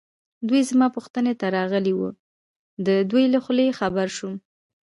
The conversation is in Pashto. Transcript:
دوی زما پوښتنې ته راغلي وو، د دوی له خولې خبر شوم.